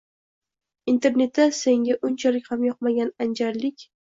Internetda senga unchalik ham yoqmagan anjanlik